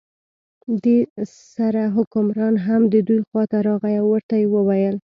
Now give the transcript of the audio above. دې سره حکمران هم د دوی خواته راغی او ورته یې وویل.